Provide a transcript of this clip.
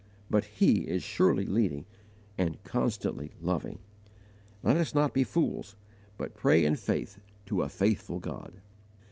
But HE IS SURELY LEADING, and CONSTANTLY LOVING. Let us not be fools, but pray in faith to a faithful God.